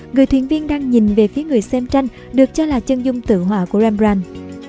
người thuyền viên đang nhìn về phía người xem tranh được cho là chân dung tự họa của rembrand